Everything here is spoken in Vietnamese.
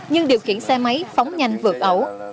nhưng điều khiển xe máy phóng nhanh vượt ẩu